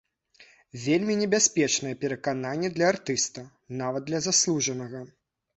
Вельмі небяспечнае перакананне для артыста, нават для заслужанага.